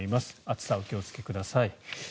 暑さにお気をつけください。